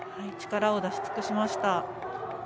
力を出し尽くしました。